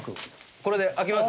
これで開きます？